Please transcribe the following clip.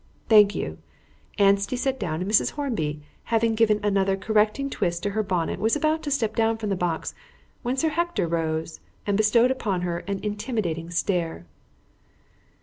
"Thank you." Anstey sat down, and Mrs. Hornby having given another correcting twist to her bonnet, was about to step down from the box when Sir Hector rose and bestowed upon her an intimidating stare.